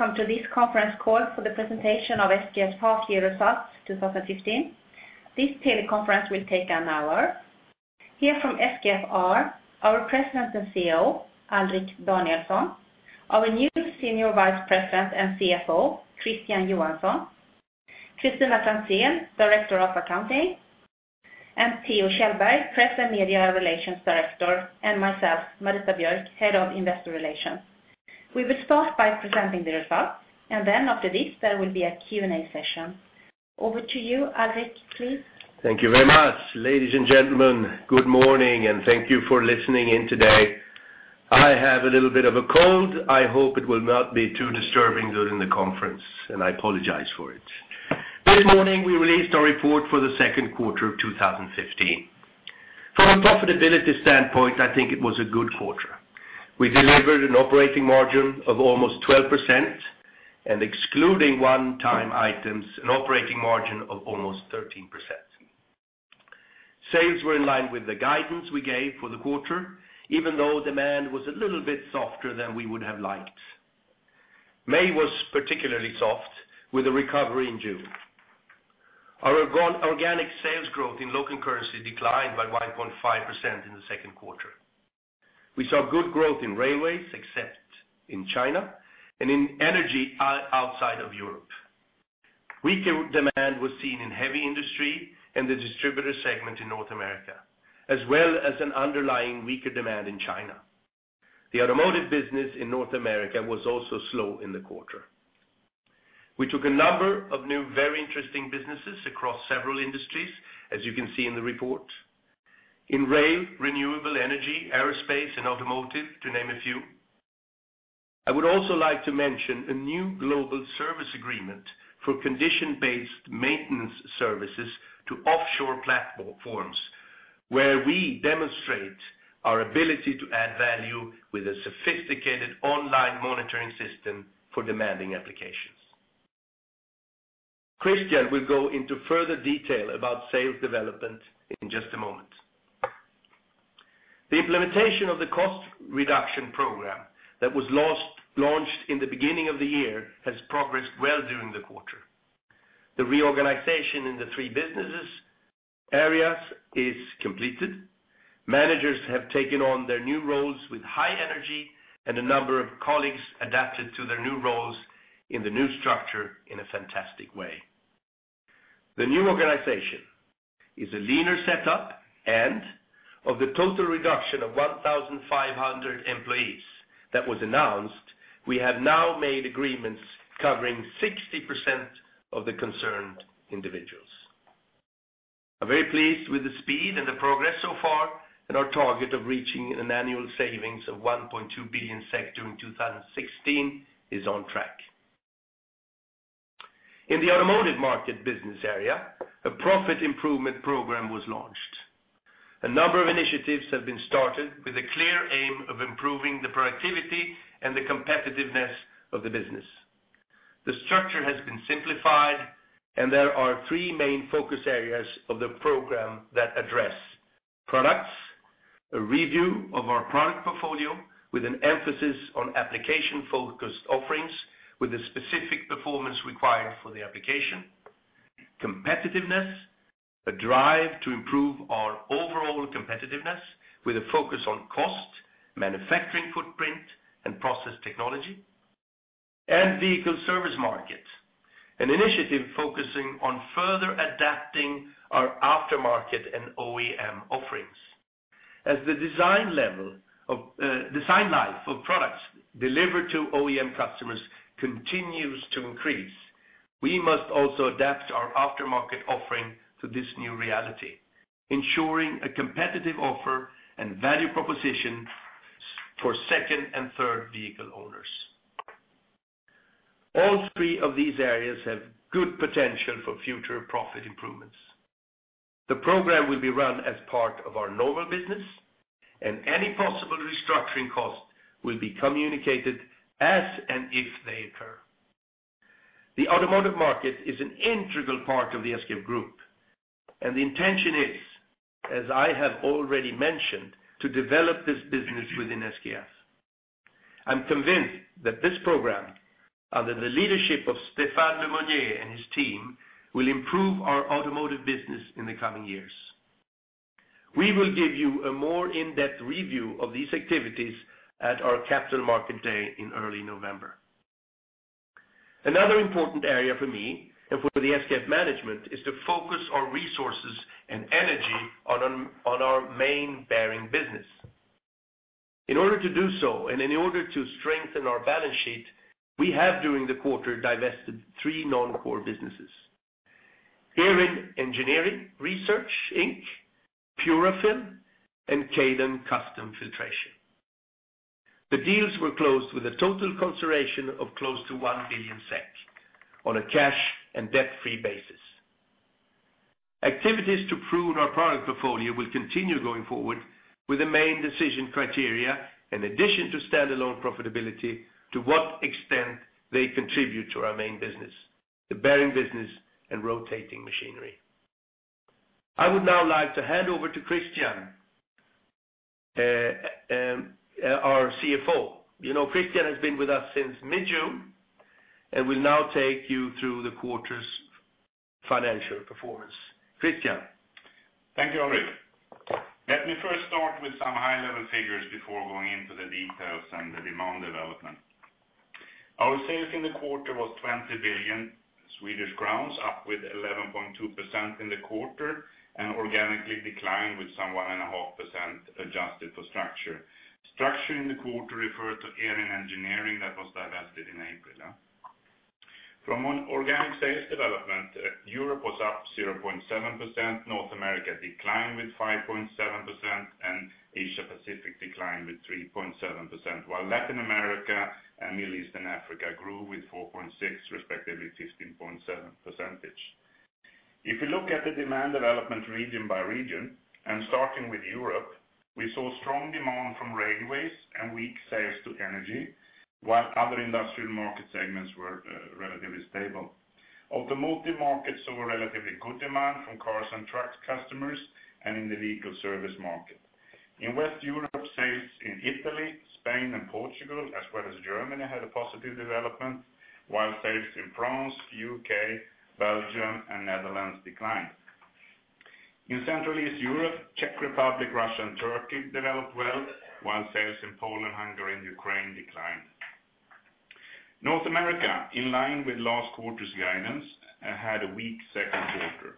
Welcome to this conference call for the presentation of SKF's half year results, 2015. This teleconference will take an hour. Here from SKF are our President and CEO, Alrik Danielson, our new Senior Vice President and CFO, Christian Johansson, Christina Fransén, Director of Accounting, and Theo Kjellberg, Press and Media Relations Director, and myself, Marita Björk, Head of Investor Relations. We will start by presenting the results, and then after this, there will be a Q&A session. Over to you, Alrik, please. Thank you very much. Ladies and gentlemen, good morning, and thank you for listening in today. I have a little bit of a cold. I hope it will not be too disturbing during the conference, and I apologize for it. This morning, we released our report for the second quarter of 2015. From a profitability standpoint, I think it was a good quarter. We delivered an operating margin of almost 12%, and excluding one-time items, an operating margin of almost 13%. Sales were in line with the guidance we gave for the quarter, even though demand was a little bit softer than we would have liked. May was particularly soft, with a recovery in June. Our organic sales growth in local currency declined by 1.5% in the second quarter. We saw good growth in railways, except in China and in energy outside of Europe. Weaker demand was seen in heavy industry and the distributor segment in North America, as well as an underlying weaker demand in China. The automotive business in North America was also slow in the quarter. We took a number of new, very interesting businesses across several industries, as you can see in the report. In rail, renewable energy, aerospace, and automotive, to name a few. I would also like to mention a new global service agreement for condition-based maintenance services to offshore platforms, where we demonstrate our ability to add value with a sophisticated online monitoring system for demanding applications. Christian will go into further detail about sales development in just a moment. The implementation of the cost reduction program that was last launched in the beginning of the year has progressed well during the quarter. The reorganization in the three business areas is completed. Managers have taken on their new roles with high energy, and a number of colleagues adapted to their new roles in the new structure in a fantastic way. The new organization is a leaner setup, and of the total reduction of 1,500 employees that was announced, we have now made agreements covering 60% of the concerned individuals. I'm very pleased with the speed and the progress so far, and our target of reaching an annual savings of 1.2 billion SEK during 2016 is on track. In the automotive market business area, a profit improvement program was launched. A number of initiatives have been started with a clear aim of improving the productivity and the competitiveness of the business. The structure has been simplified, and there are three main focus areas of the program that address: products, a review of our product portfolio with an emphasis on application-focused offerings, with a specific performance required for the application. Competitiveness, a drive to improve our overall competitiveness with a focus on cost, manufacturing footprint, and process technology, and vehicle service market, an initiative focusing on further adapting our aftermarket and OEM offerings. As the design level of design life of products delivered to OEM customers continues to increase, we must also adapt our aftermarket offering to this new reality, ensuring a competitive offer and value propositions for second and third vehicle owners. All three of these areas have good potential for future profit improvements. The program will be run as part of our normal business, and any possible restructuring cost will be communicated as and if they occur. The automotive market is an integral part of the SKF Group, and the intention is, as I have already mentioned, to develop this business within SKF. I'm convinced that this program, under the leadership of Stéphane Le Mounier and his team, will improve our automotive business in the coming years. We will give you a more in-depth review of these activities at our Capital Market Day in early November. Another important area for me and for the SKF management is to focus our resources and energy on our main bearing business. In order to do so, and in order to strengthen our balance sheet, we have, during the quarter, divested three non-core businesses. Erin Engineering, Purafil, and Kaydon Custom Filtration. The deals were closed with a total consideration of close to 1 billion SEK on a cash and debt-free basis. Activities to prune our product portfolio will continue going forward with the main decision criteria, in addition to standalone profitability, to what extent they contribute to our main business, the bearing business and rotating machinery. I would now like to hand over to Christian, our CFO. You know, Christian has been with us since mid-June, and will now take you through the quarter's financial performance. Christian? Thank you, Alrik. Let me first start with some high-level figures before going into the details and the demand development. Our sales in the quarter was 20 billion Swedish crowns, up with 11.2% in the quarter, and organically declined with some 1.5%, adjusted for structure. Structure in the quarter referred to Erin Engineering that was divested in April. From an organic sales development, Europe was up 0.7%, North America declined with 5.7%, and Asia Pacific declined with 3.7%, while Latin America and Middle East and Africa grew with 4.6%, respectively 15.7%. If you look at the demand development region by region, and starting with Europe, we saw strong demand from railways and weak sales to energy, while other industrial market segments were relatively stable. Automotive markets saw a relatively good demand from cars and trucks customers, and in the vehicle service market. In West Europe, sales in Italy, Spain, and Portugal, as well as Germany, had a positive development, while sales in France, U.K., Belgium, and Netherlands declined. In Central East Europe, Czech Republic, Russia, and Turkey developed well, while sales in Poland, Hungary, and Ukraine declined. North America, in line with last quarter's guidance, had a weak second quarter.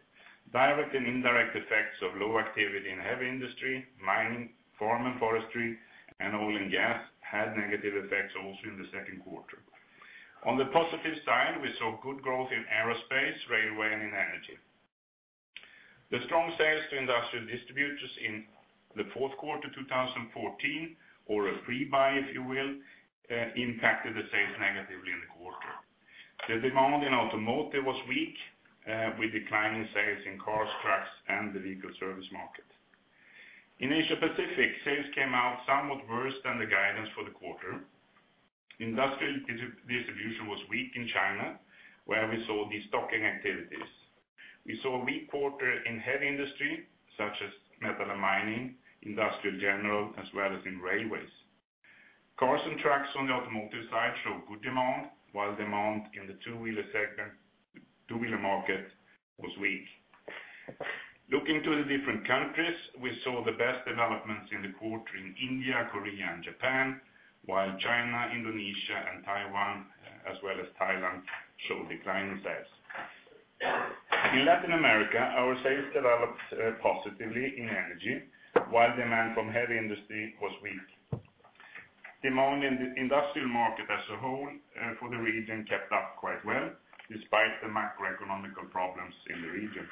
Direct and indirect effects of low activity in heavy industry, mining, farm and forestry, and oil and gas, had negative effects also in the second quarter. On the positive side, we saw good growth in aerospace, railway, and in energy. The strong sales to industrial distributors in the fourth quarter, 2014, or a pre-buy, if you will, impacted the sales negatively in the quarter. The demand in automotive was weak with declining sales in cars, trucks, and the vehicle service market. In Asia Pacific, sales came out somewhat worse than the guidance for the quarter. Industrial distribution was weak in China, where we saw destocking activities. We saw a weak quarter in heavy industry, such as metal and mining, industrial general, as well as in railways. Cars and trucks on the automotive side show good demand, while demand in the two-wheeler segment, two-wheeler market was weak. Looking to the different countries, we saw the best developments in the quarter in India, Korea, and Japan, while China, Indonesia, and Taiwan, as well as Thailand, showed declining sales. In Latin America, our sales developed positively in energy, while demand from heavy industry was weak. Demand in the industrial market as a whole, for the region, kept up quite well, despite the macroeconomic problems in the region.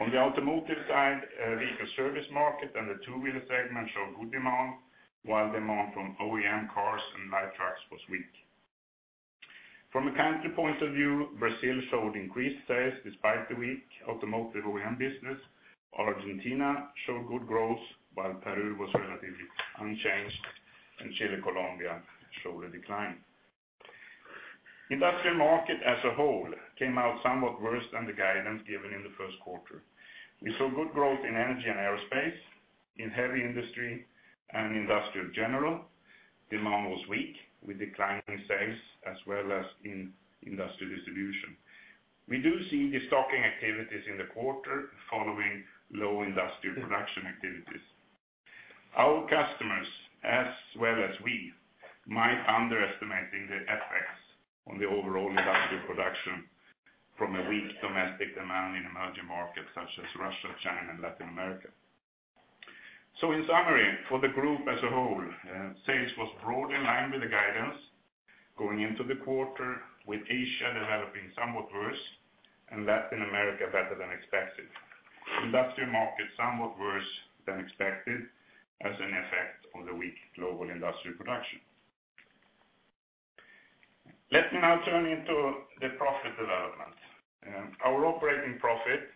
On the automotive side, vehicle service market and the two-wheeler segment showed good demand, while demand from OEM cars and light trucks was weak. From a country point of view, Brazil showed increased sales despite the weak automotive OEM business. Argentina showed good growth, while Peru was relatively unchanged, and Chile, Colombia showed a decline. Industrial market, as a whole, came out somewhat worse than the guidance given in the first quarter. We saw good growth in energy and aerospace, in heavy industry, and industrial general. Demand was weak, with declining sales, as well as in industrial distribution. We do see destocking activities in the quarter following low industrial production activities. Our customers, as well as we, might underestimating the effects on the overall industrial production from a weak domestic demand in emerging markets such as Russia, China, and Latin America. So in summary, for the group as a whole, sales was broadly in line with the guidance going into the quarter, with Asia developing somewhat worse, and Latin America better than expected. Industrial market, somewhat worse than expected, as an effect of the weak global industrial production. Let me now turn into the profit development. Our operating profit,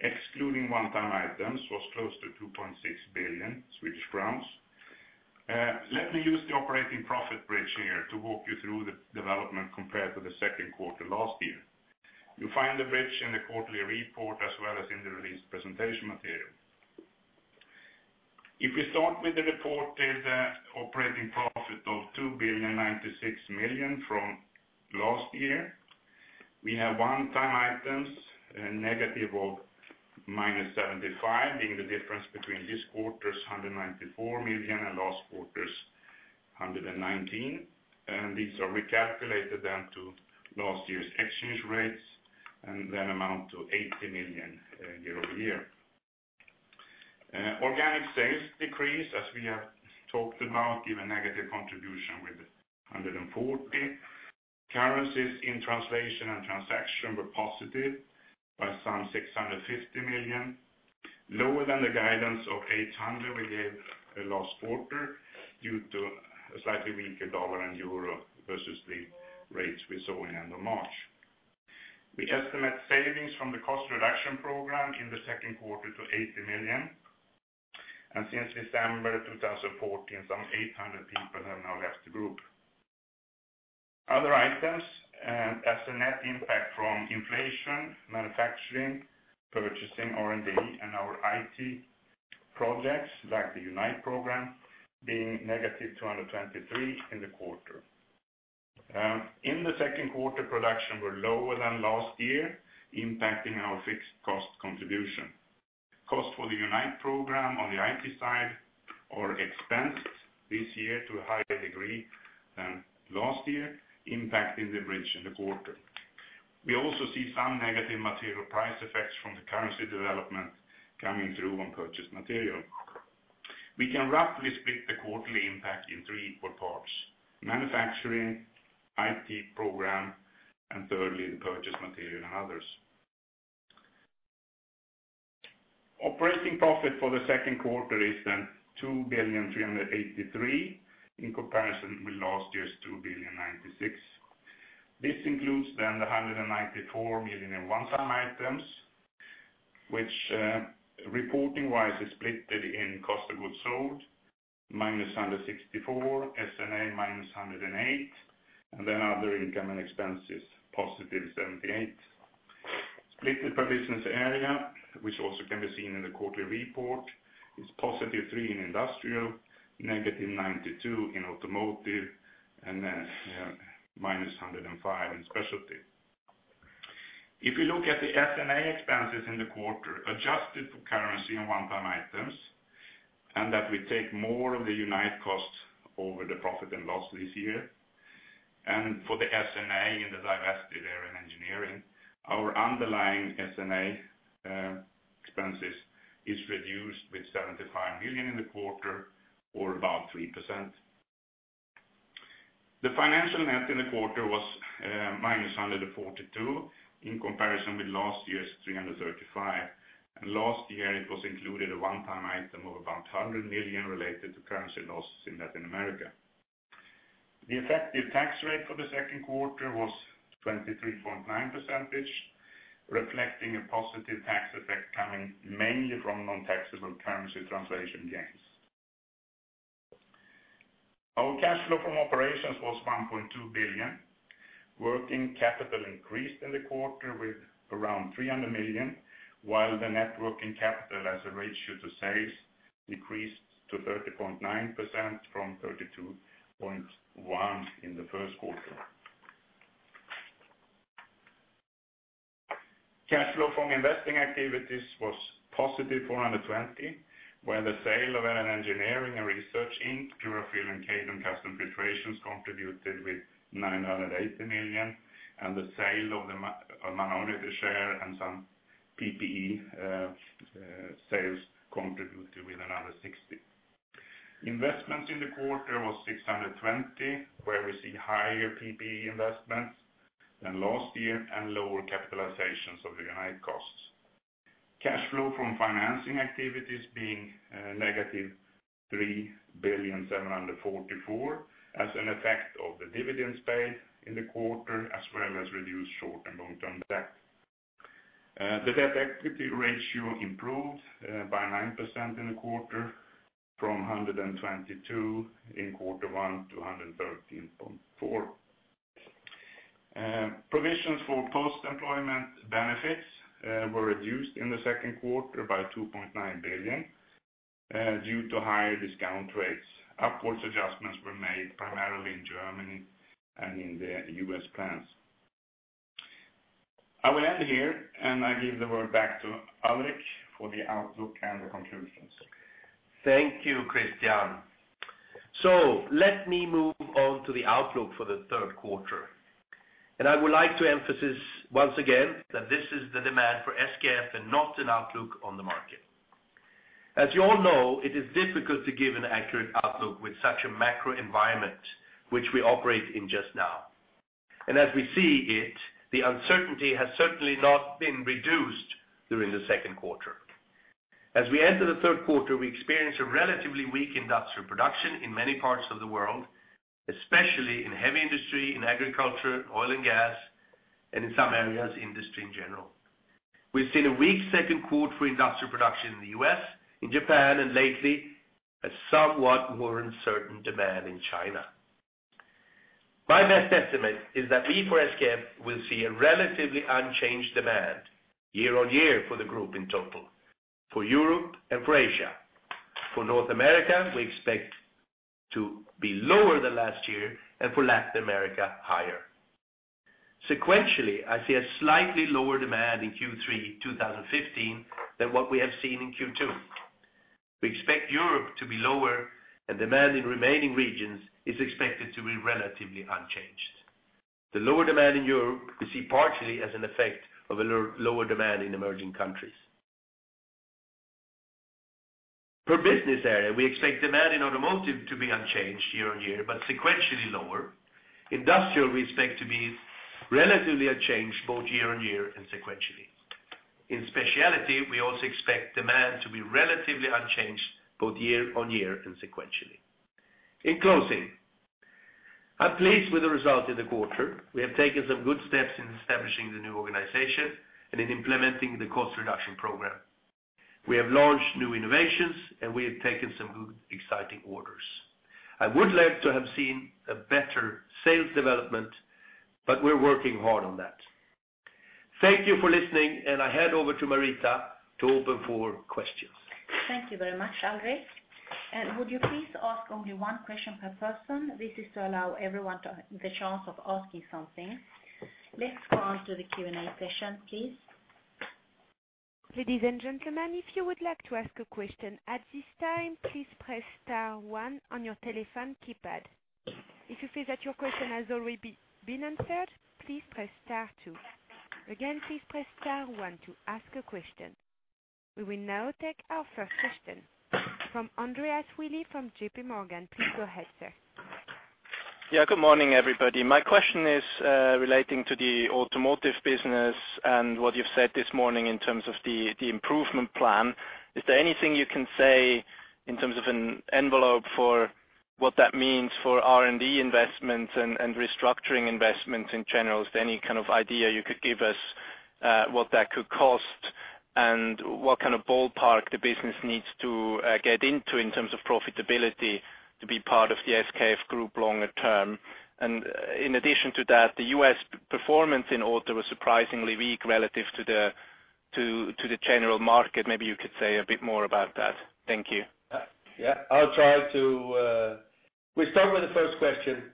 excluding one-time items, was close to 2.6 billion Swedish crowns. Let me use the operating profit bridge here to walk you through the development compared to the second quarter last year. You'll find the bridge in the quarterly report, as well as in the released presentation material. If we start with the reported operating profit of 2.096 billion from last year, we have one-time items, a negative of -75 million, being the difference between this quarter's 194 million and last quarter's 119 million. And these are recalculated down to last year's exchange rates, and then amount to 80 million year-over-year. Organic sales decreased, as we have talked about, gave a negative contribution with 140. Currencies in translation and transaction were positive by some 650 million, lower than the guidance of 800 million we gave the last quarter, due to a slightly weaker dollar and euro versus the rates we saw in the end of March. We estimate savings from the cost reduction program in the second quarter to 80 million, and since December 2014, some 800 people have now left the group. Other items, and as a net impact from inflation, manufacturing, purchasing, R&D, and our IT projects, like the Unite program, being negative 223 in the quarter. In the second quarter, production were lower than last year, impacting our fixed cost contribution. Cost for the Unite program on the IT side are expensed this year to a higher degree than last year, impacting the bridge in the quarter. We also see some negative material price effects from the currency development coming through on purchased material. We can roughly split the quarterly impact in three equal parts: manufacturing, IT program, and thirdly, the purchase material and others. Operating profit for the second quarter is then 2.383 billion, in comparison with last year's 2,096 million. This includes then the 194 million in one-time items, which, reporting-wise, is split in cost of goods sold, -164 million, S&A, -108 million, and then other income and expenses, 78 million. Split per business area, which also can be seen in the quarterly report, is 3 million in industrial, -92 million in automotive, and then, -105 million in specialty. If you look at the S&A expenses in the quarter, adjusted for currency and one-time items, and that we take more of the Unite costs over the profit and loss this year, and for the S&A in the divested area in engineering, our underlying S&A, expenses is reduced with 75 million in the quarter, or about 3%. The financial net in the quarter was -142, in comparison with last year's 335, and last year, it was included a one-time item of about 100 million related to currency losses in Latin America. The effective tax rate for the second quarter was 23.9%-ish, reflecting a positive tax effect coming mainly from non-taxable currency translation gains. Our cash flow from operations was 1.2 billion. Working capital increased in the quarter with around 300 million, while the net working capital as a ratio to sales decreased to 30.9% from 32.1 in the first quarter. Cash flow from investing activities was 420 million, where the sale of Erin Engineering and Research Inc., Purafil, and Kaydon Custom Filtration contributed with 980 million, and the sale of a minority share and some PPE sales contributed with another 60 million. Investments in the quarter was 620 million, where we see higher PPE investments than last year, and lower capitalizations of the Unite costs. Cash flow from financing activities being negative 3.744 billion, as an effect of the dividends paid in the quarter, as well as reduced short- and long-term debt. The debt-equity ratio improved by 9% in the quarter, from 122 in quarter one to 113.4. Provisions for post-employment benefits were reduced in the second quarter by 2.9 billion due to higher discount rates. Upwards adjustments were made primarily in Germany and in the U.S. plants. I will end here, and I give the word back to Alrik for the outlook and the conclusions. Thank you, Christian. So let me move on to the outlook for the third quarter. And I would like to emphasize once again, that this is the demand for SKF and not an outlook on the market. As you all know, it is difficult to give an accurate outlook with such a macro environment which we operate in just now. And as we see it, the uncertainty has certainly not been reduced during the second quarter. As we enter the third quarter, we experience a relatively weak industrial production in many parts of the world, especially in heavy industry, in agriculture, oil and gas, and in some areas, industry in general. We've seen a weak second quarter for industrial production in the U.S., in Japan, and lately, a somewhat more uncertain demand in China. My best estimate is that we, for SKF, will see a relatively unchanged demand year-on-year for the group in total, for Europe and for Asia. For North America, we expect to be lower than last year, and for Latin America, higher. Sequentially, I see a slightly lower demand in Q3 2015 than what we have seen in Q2. We expect Europe to be lower, and demand in remaining regions is expected to be relatively unchanged. The lower demand in Europe, we see partially as an effect of a lower demand in emerging countries. Per business area, we expect demand in automotive to be unchanged year-on-year, but sequentially lower. Industrial, we expect to be relatively unchanged both year-on-year and sequentially. In specialty, we also expect demand to be relatively unchanged, both year-on-year and sequentially. In closing, I'm pleased with the result in the quarter. We have taken some good steps in establishing the new organization and in implementing the cost reduction program… We have launched new innovations, and we have taken some good, exciting orders. I would like to have seen a better sales development, but we're working hard on that. Thank you for listening, and I hand over to Marita to open for questions. Thank you very much, Alrik. Would you please ask only one question per person? This is to allow everyone the chance of asking something. Let's go on to the Q&A session, please. Ladies and gentlemen, if you would like to ask a question at this time, please press star one on your telephone keypad. If you feel that your question has already been answered, please press star two. Again, please press star one to ask a question. We will now take our first question from Andreas Willi from JPMorgan. Please go ahead, sir. Yeah, good morning, everybody. My question is relating to the automotive business and what you've said this morning in terms of the improvement plan. Is there anything you can say in terms of an envelope for what that means for R&D investments and restructuring investments in general? Is there any kind of idea you could give us what that could cost and what kind of ballpark the business needs to get into in terms of profitability to be part of the SKF Group longer term? And in addition to that, the U.S. performance in auto was surprisingly weak relative to the general market. Maybe you could say a bit more about that. Thank you. Yeah. I'll try to. We start with the first question.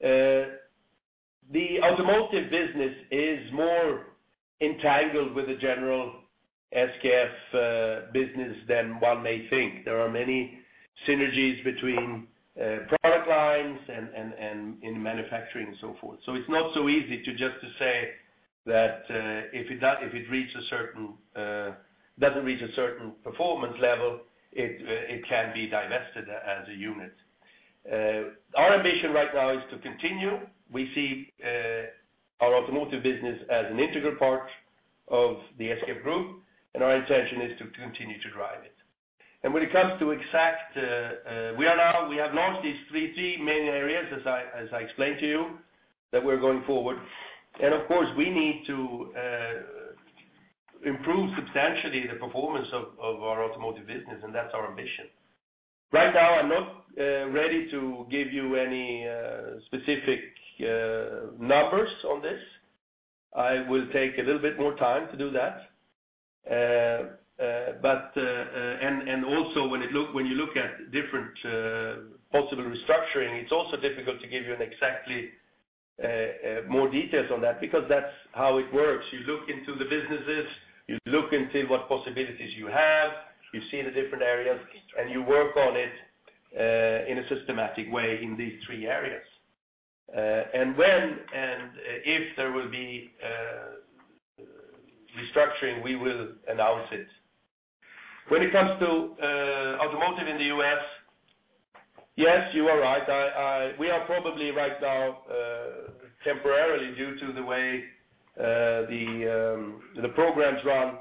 The automotive business is more entangled with the general SKF business than one may think. There are many synergies between product lines and in manufacturing and so forth. So it's not so easy to just say that if it does, if it reaches a certain, doesn't reach a certain performance level, it can be divested as a unit. Our ambition right now is to continue. We see our automotive business as an integral part of the SKF Group, and our intention is to continue to drive it. And when it comes to exact, we are now. We have launched these three main areas, as I explained to you, that we're going forward. Of course, we need to improve substantially the performance of our automotive business, and that's our ambition. Right now, I'm not ready to give you any specific numbers on this. I will take a little bit more time to do that. But also, when you look at different possible restructuring, it's also difficult to give you an exactly more details on that, because that's how it works. You look into the businesses, you look into what possibilities you have, you see the different areas, and you work on it in a systematic way in these three areas. And when and if there will be restructuring, we will announce it. When it comes to automotive in the U.S., yes, you are right. We are probably right now, temporarily, due to the way the programs run,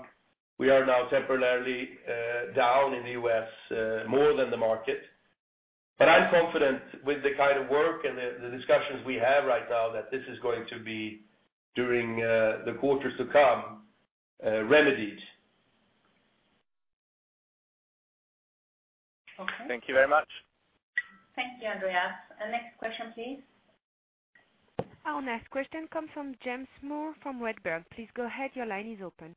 we are now temporarily down in the U.S., more than the market. I'm confident with the kind of work and the discussions we have right now, that this is going to be, during the quarters to come, remedied. Okay. Thank you very much. Thank you, Andreas. Next question, please. Our next question comes from James Moore from Redburn. Please go ahead. Your line is open.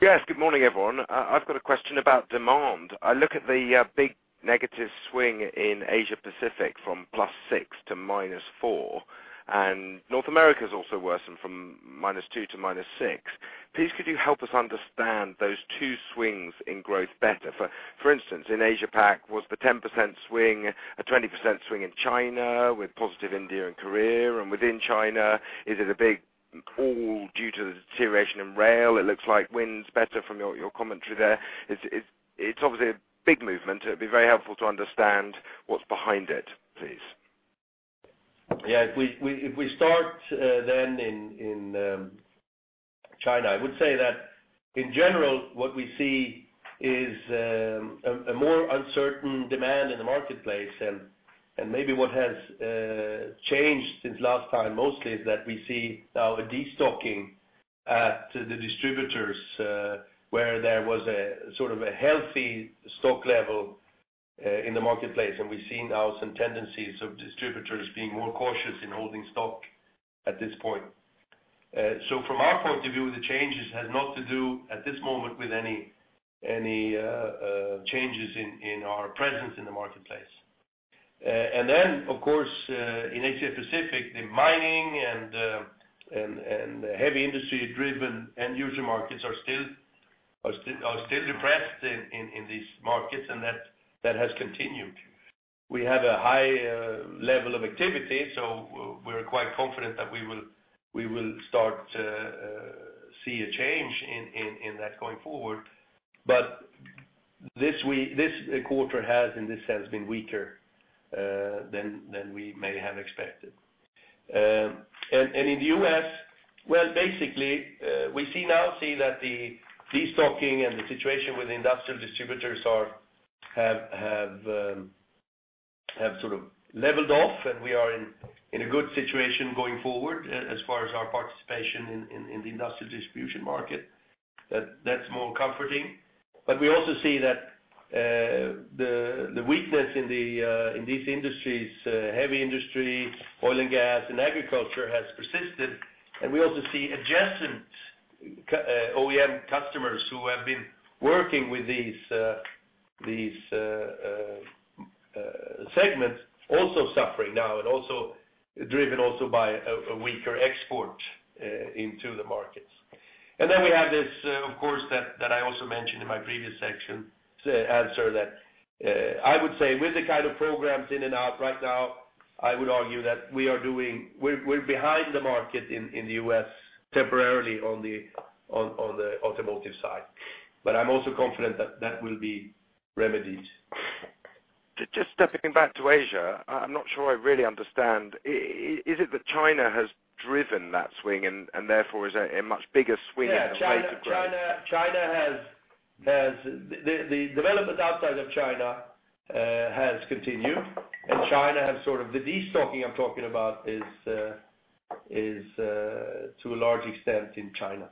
Yes, good morning, everyone. I've got a question about demand. I look at the big negative swing in Asia Pacific from +6% to -4%, and North America has also worsened from -2% to -6%. Please, could you help us understand those two swings in growth better? For instance, in Asia Pac, was the 10% swing a 20% swing in China with positive India and Korea? And within China, is it a big fall due to the deterioration in rail? It looks like wind's better from your commentary there. It's obviously a big movement, it'd be very helpful to understand what's behind it, please. Yeah. If we start then in China, I would say that in general, what we see is a more uncertain demand in the marketplace. And maybe what has changed since last time, mostly, is that we see now a destocking at the distributors, where there was a sort of a healthy stock level in the marketplace. And we're seeing now some tendencies of distributors being more cautious in holding stock at this point. So from our point of view, the changes has naught to do, at this moment, with any changes in our presence in the marketplace. And then, of course, in Asia Pacific, the mining and the heavy industry-driven end user markets are still depressed in these markets, and that has continued. We have a high level of activity, so we're quite confident that we will start to see a change in that going forward. But this quarter has, in this sense, been weaker than we may have expected. And in the U.S., well, basically, we see that the destocking and the situation with industrial distributors have sort of leveled off, and we are in a good situation going forward as far as our participation in the industrial distribution market. That's more comforting. But we also see that, the weakness in these industries, heavy industry, oil and gas, and agriculture, has persisted. And we also see adjacent OEM customers who have been working with these segments, also suffering now, and also driven also by a weaker export into the markets. And then we have this, of course, that I also mentioned in my previous section, to answer that, I would say with the kind of programs in and out right now, I would argue that we're behind the market in the U.S. temporarily on the automotive side. But I'm also confident that that will be remedied. Just stepping back to Asia, I'm not sure I really understand, is it that China has driven that swing, and therefore is a much bigger swing and rate of growth? Yeah, China has. The development outside of China has continued, and China has sort of, the destocking I'm talking about is to a large extent in China.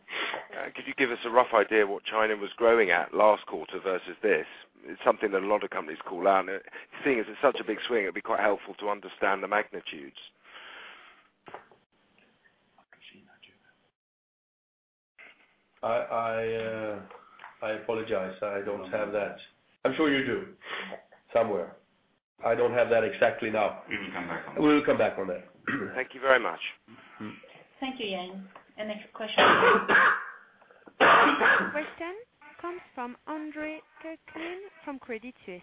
Could you give us a rough idea what China was growing at last quarter versus this? It's something that a lot of companies call out, and seeing as it's such a big swing, it'd be quite helpful to understand the magnitudes. I apologize, I don't have that. I'm sure you do, somewhere. I don't have that exactly now. We will come back on that. We will come back on that. Thank you very much. Thank you, Ian. Our next question? Next question comes from Andre Kukhnin from Credit Suisse.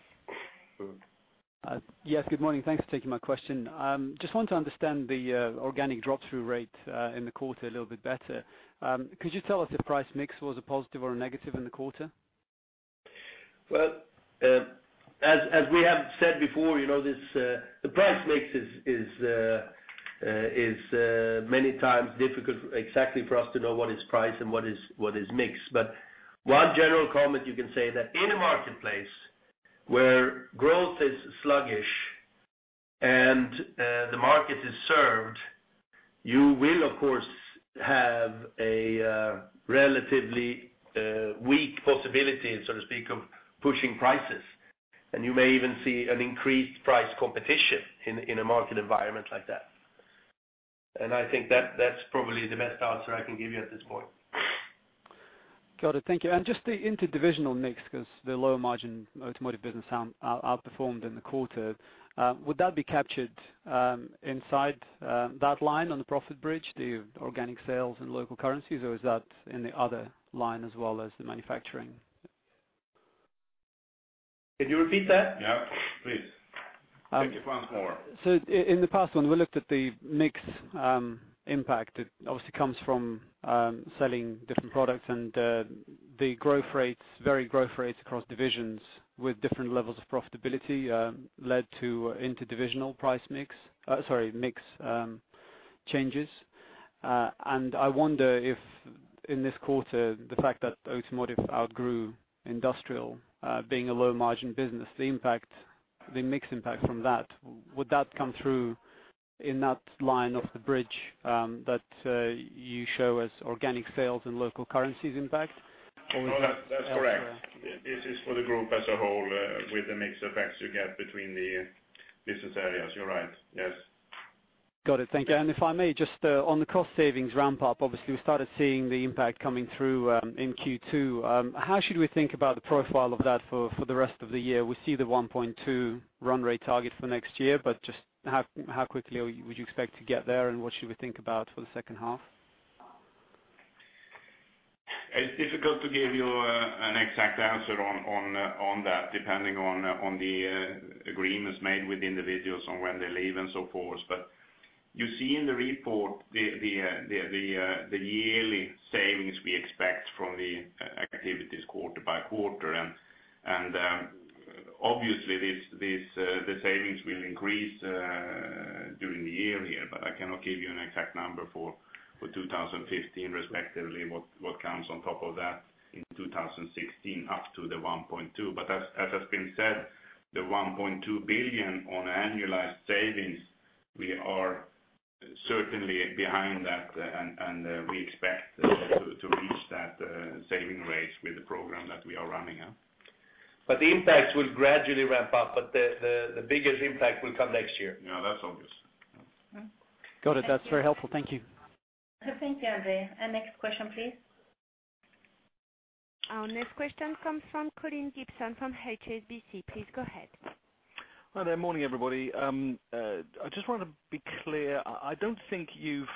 Yes, good morning. Thanks for taking my question. Just want to understand the organic drop-through rate in the quarter a little bit better. Could you tell us if price mix was a positive or a negative in the quarter? Well, as we have said before, you know, this, the price mix is many times difficult exactly for us to know what is price and what is mix. But one general comment, you can say that in a marketplace where growth is sluggish and the market is served, you will, of course, have a relatively weak possibility, so to speak, of pushing prices. And you may even see an increased price competition in a market environment like that. And I think that, that's probably the best answer I can give you at this point. Got it. Thank you. Just the interdivisional mix, 'cause the lower margin automotive business outperformed in the quarter, would that be captured inside that line on the profit bridge, the organic sales in local currencies, or is that in the other line as well as the manufacturing? Can you repeat that? Yeah, please. Take it once more. So in the past, when we looked at the mix impact, it obviously comes from selling different products and the growth rates, varied growth rates across divisions with different levels of profitability led to interdivisional price mix, sorry, mix changes. And I wonder if, in this quarter, the fact that automotive outgrew industrial being a low-margin business, the impact, the mix impact from that, would that come through in that line of the bridge that you show as organic sales and local currencies impact? No, that, that's correct. This is for the group as a group as a whole, with the mix effects you get between the business areas. You're right, yes. Got it. Thank you. And if I may, just, on the cost savings ramp-up, obviously, we started seeing the impact coming through, in Q2. How should we think about the profile of that for, for the rest of the year? We see the 1.2 run rate target for next year, but just how, how quickly would you expect to get there, and what should we think about for the second half? It's difficult to give you an exact answer on that, depending on the agreements made with individuals on when they leave and so forth. But you see in the report, the yearly savings we expect from the activities quarter by quarter. And obviously, the savings will increase during the year here, but I cannot give you an exact number for 2015, respectively, what comes on top of that in 2016, up to the 1.2. But as has been said, the 1.2 billion on annualized savings, we are certainly behind that, and we expect to reach that saving rate with the program that we are running now. But the impacts will gradually ramp up, but the biggest impact will come next year. Yeah, that's obvious. Got it. That's very helpful. Thank you. Thank you, Andre. Our next question, please? Our next question comes from Colin Gibson from HSBC. Please go ahead. Hi there. Morning, everybody. I just want to be clear. I don't think you've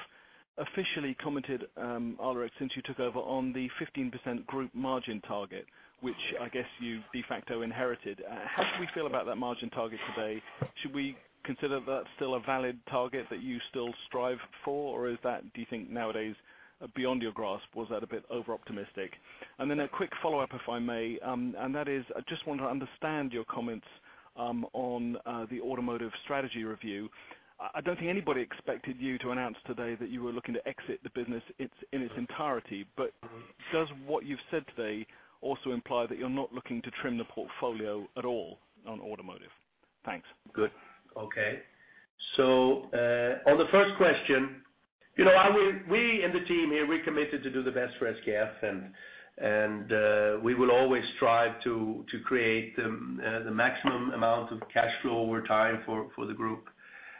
officially commented, Alrik, since you took over on the 15% group margin target, which I guess you de facto inherited. How should we feel about that margin target today? Should we consider that still a valid target that you still strive for, or is that, do you think, nowadays beyond your grasp? Was that a bit overoptimistic? And then a quick follow-up, if I may, and that is, I just want to understand your comments on the automotive strategy review.... I don't think anybody expected you to announce today that you were looking to exit the business in its entirety. But does what you've said today also imply that you're not looking to trim the portfolio at all on automotive? Thanks. Good. Okay. So, on the first question, you know, I, we in the team here, we're committed to do the best for SKF, and, and, we will always strive to create the maximum amount of cash flow over time for the group.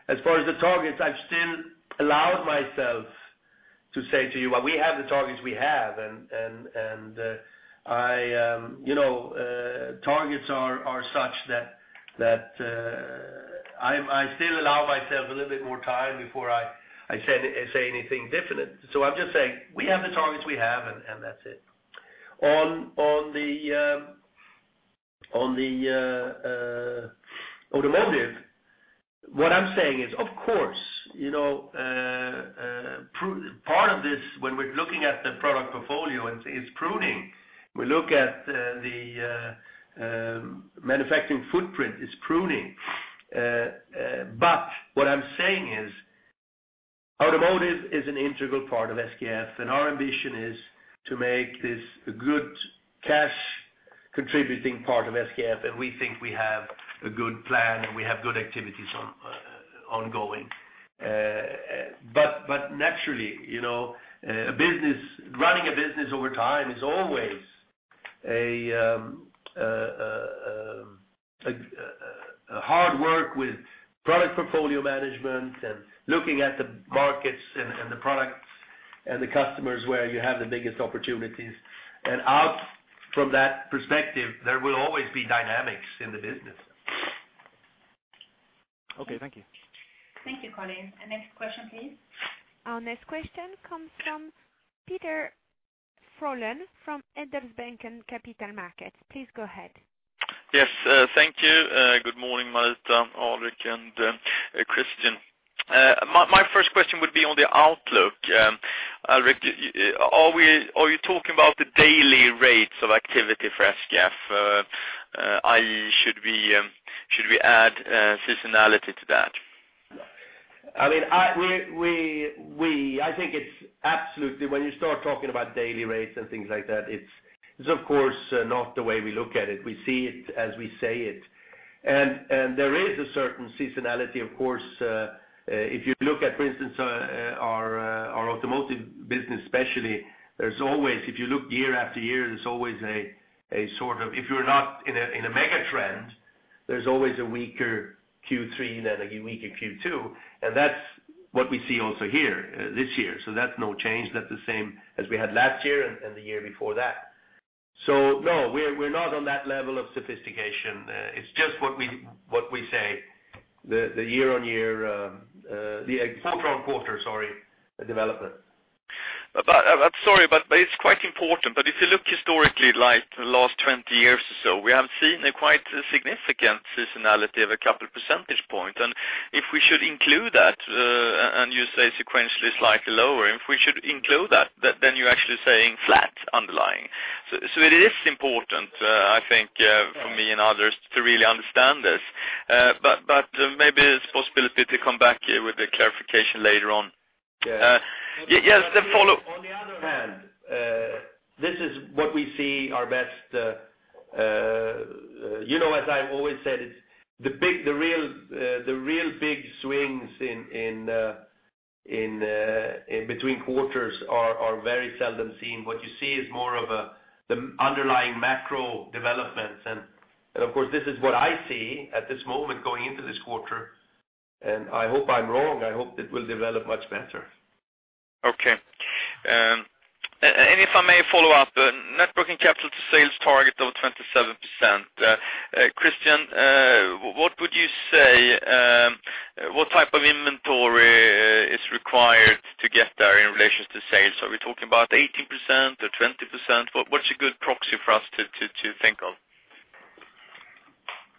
As far as the targets, I've still allowed myself to say to you, well, we have the targets we have, and, and, and, I, you know, targets are such that, I'm I still allow myself a little bit more time before I say anything definite. So I'm just saying, we have the targets we have, and that's it. On the, on the, automotive, what I'm saying is, of course, you know, part of this, when we're looking at the product portfolio, it's pruning. We look at the manufacturing footprint, it's pruning. But what I'm saying is, automotive is an integral part of SKF, and our ambition is to make this a good cash-contributing part of SKF, and we think we have a good plan, and we have good activities ongoing. But naturally, you know, business running a business over time is always a hard work with product portfolio management and looking at the markets and the products and the customers where you have the biggest opportunities. And out from that perspective, there will always be dynamics in the business. Okay, thank you. Thank you, Colin. And next question, please. Our next question comes from Peder Frölén, from Handelsbanken Capital Markets. Please go ahead. Yes, thank you. Good morning, Marita, Alrik, and Christian. My first question would be on the outlook. Alrik, are we, are you talking about the daily rates of activity for SKF? i.e., should we add seasonality to that? I mean, I think it's absolutely when you start talking about daily rates and things like that, it's of course, not the way we look at it. We see it as we say it. And there is a certain seasonality, of course, if you look at, for instance, our automotive business, especially, there's always, if you look year after year, there's always a sort of-- if you're not in a mega trend, there's always a weaker Q3 than a weaker Q2, and that's what we see also here, this year. So that's no change. That's the same as we had last year and the year before that. So no, we're not on that level of sophistication. It's just what we, what we say, the, the year-on-year, the quarter-on-quarter, sorry, the development. I'm sorry, but it's quite important. But if you look historically, like the last 20 years or so, we have seen a quite significant seasonality of a couple percentage point. And if we should include that, and you say sequentially, it's likely lower, if we should include that, then you're actually saying flat underlying. So, so it is important, I think, for me and others to really understand this. But, but maybe it's a possibility to come back here with a clarification later on. Yeah. Yes, the follow- On the other hand, this is what we see our best. You know, as I've always said, it's the big, the real, the real big swings in between quarters are very seldom seen. What you see is more of a, the underlying macro developments. And of course, this is what I see at this moment going into this quarter, and I hope I'm wrong. I hope it will develop much better. Okay. And if I may follow up, net working capital to sales target of 27%. Christian, what would you say, what type of inventory is required to get there in relation to sales? Are we talking about 18% or 20%? What, what's a good proxy for us to think of?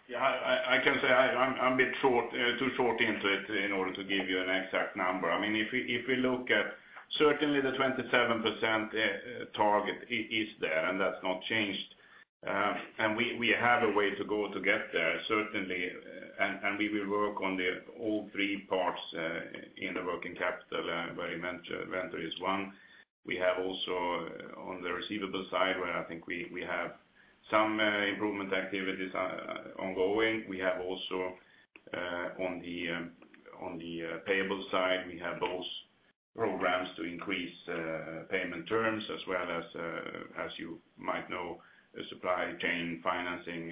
Yeah, I can say I'm a bit short, too short into it in order to give you an exact number. I mean, if we look at... Certainly, the 27% target is there, and that's not changed. And we have a way to go to get there, certainly, and we will work on all three parts in the working capital, where inventory is one. We have also on the receivables side, where I think we have some improvement activities ongoing. We have also on the payables side, we have those programs to increase payment terms as well as, as you might know, a supply chain financing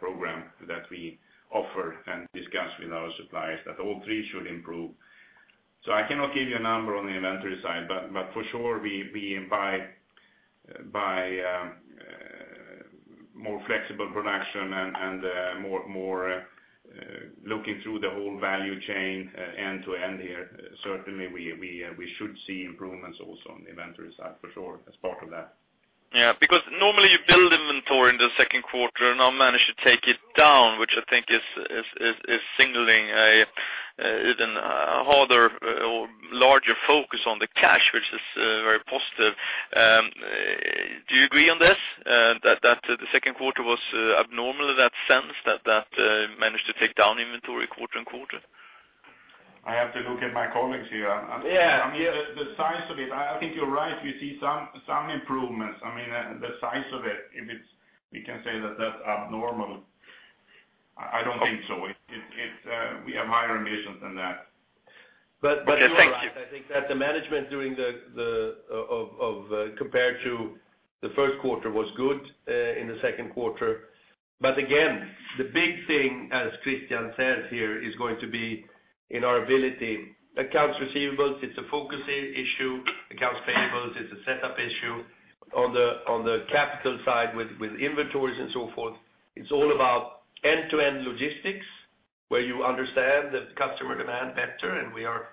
program that we offer and discuss with our suppliers, that all three should improve. So I cannot give you a number on the inventory side, but for sure, we by more flexible production and more looking through the whole value chain end-to-end here, certainly we should see improvements also on the inventory side, for sure, as part of that. Yeah, because normally you build inventory in the second quarter, and now manage to take it down, which I think is signaling an even harder or larger focus on the cash, which is very positive. Do you agree on this? That the second quarter was abnormal in that sense, that managed to take down inventory quarter and quarter?... I have to look at my colleagues here. Yeah. I mean, the size of it, I think you're right, we see some improvements. I mean, the size of it, if it's, we can say that that's abnormal, I don't think so. It, we have higher ambitions than that. Okay, thank you. But you are right. I think that the management during, compared to the first quarter, was good in the second quarter. But again, the big thing, as Christian says here, is going to be in our ability. Accounts receivables, it's a focus issue. Accounts payables, it's a setup issue. On the capital side, with inventories and so forth, it's all about end-to-end logistics, where you understand the customer demand better, and we are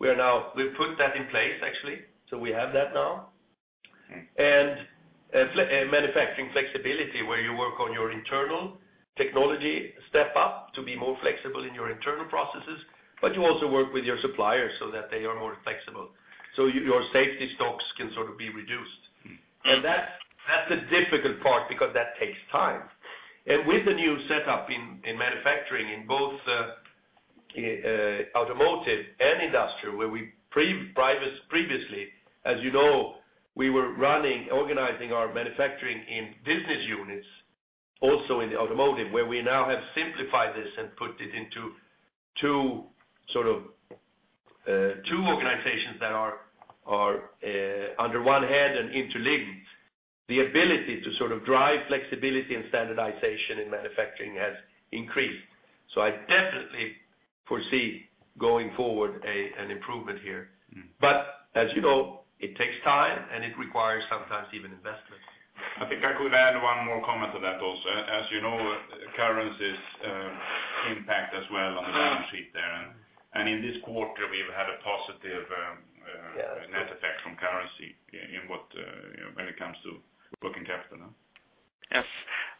now. We've put that in place, actually, so we have that now. And manufacturing flexibility, where you work on your internal technology, step up to be more flexible in your internal processes, but you also work with your suppliers so that they are more flexible, so your safety stocks can sort of be reduced. Mm-hmm. And that's the difficult part, because that takes time. And with the new setup in manufacturing, in both automotive and industrial, where we previously, as you know, we were running, organizing our manufacturing in business units, also in the automotive, where we now have simplified this and put it into two, sort of two organizations that are under one head and interlinked, the ability to sort of drive flexibility and standardization in manufacturing has increased. So I definitely foresee, going forward, an improvement here. Mm-hmm. As you know, it takes time, and it requires sometimes even investments. I think I could add one more comment to that also. As you know, currencies impact as well on the balance sheet there. In this quarter, we've had a positive Yeah... net effect from currency in what, when it comes to working capital, no? Yes.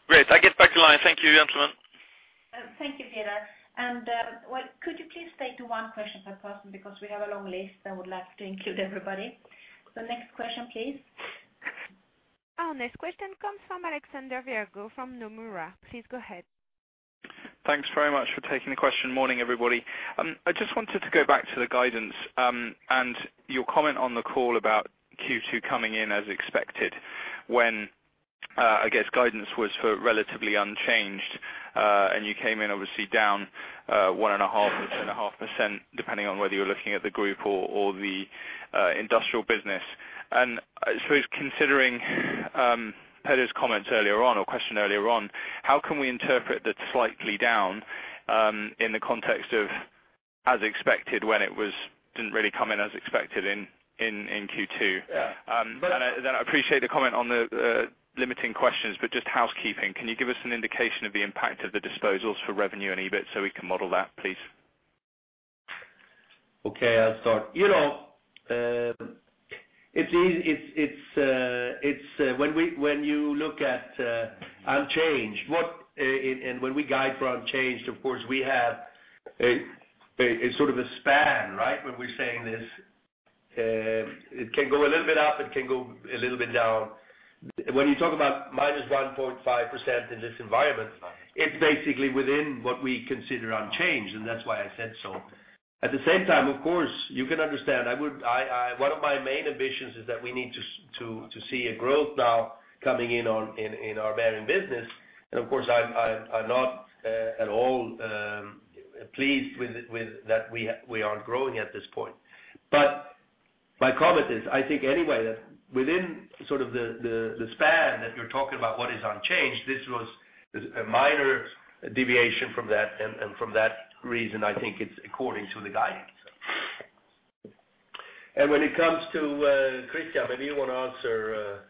Great, I get back in line. Thank you, gentlemen. Thank you, Peder. Well, could you please stay to one question per person, because we have a long list, I would like to include everybody. The next question, please. Our next question comes from Alexander Virgo from Nomura. Please go ahead. Thanks very much for taking the question. Morning, everybody. I just wanted to go back to the guidance, and your comment on the call about Q2 coming in as expected, when, I guess, guidance was for relatively unchanged, and you came in obviously down 1.5%-2.5%, depending on whether you're looking at the group or the industrial business. And I suppose considering, Peter's comments earlier on, or question earlier on, how can we interpret that slightly down, in the context of as expected, when it didn't really come in as expected in Q2? Yeah. I appreciate the comment on the limiting questions, but just housekeeping: Can you give us an indication of the impact of the disposals for revenue and EBIT, so we can model that, please? Okay, I'll start. You know, it's easy... When you look at unchanged, what, and when we guide for unchanged, of course, we have a sort of a span, right? When we're saying this. It can go a little bit up, it can go a little bit down. When you talk about -1.5% in this environment, it's basically within what we consider unchanged, and that's why I said so. At the same time, of course, you can understand... One of my main ambitions is that we need to see a growth now coming in on our bearing business. And of course, I'm not at all pleased with it, that we are growing at this point. But my comment is, I think anyway, that within sort of the span that you're talking about, what is unchanged, this was a minor deviation from that, and from that reason, I think it's according to the guidance. And when it comes to Christian, maybe you want to answer